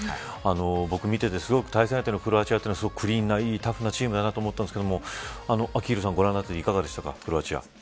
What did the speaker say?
僕、見ててすごく対戦相手のクロアチアはクリーンなタフなチームだと思ったんですけど昭浩さん、ご覧になっていかがでしたか、クロアチア。